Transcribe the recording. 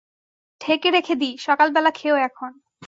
ঢেকে রেখে দি, সকালবেলা খেয়ো এখন।